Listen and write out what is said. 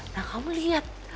nah kamu lihat